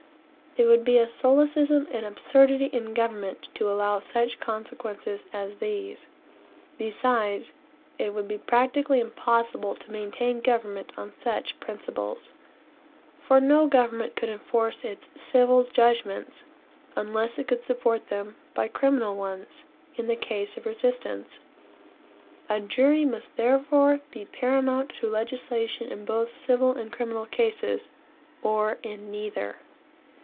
It would be a solecism and absurdity in government to allow such consequences as these. Besides, it would be practically impossible to maintain government on such principles; for no government could enforce its civil judgments, unless it could support them by criminal ones, in case of resistance. A jury must therefore be paramount to legislation in both civil and criminal cases, or in neither.